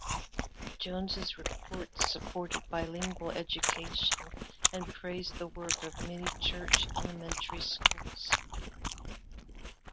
Jones's reports supported bilingual education and praised the work of many church elementary schools.